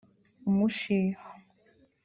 umushiha